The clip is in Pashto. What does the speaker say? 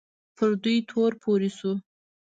پر دوی تور پورې شو